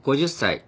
５０歳。